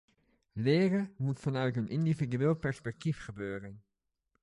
Leren moet vanuit een individueel perspectief gebeuren.